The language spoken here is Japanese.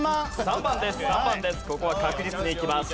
ここは確実にいきます。